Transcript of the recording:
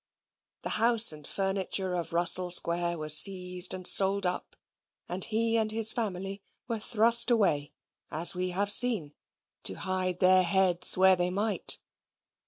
The house and furniture of Russell Square were seized and sold up, and he and his family were thrust away, as we have seen, to hide their heads where they might.